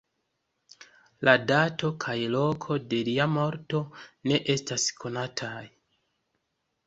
La dato kaj loko de lia morto ne estas konataj.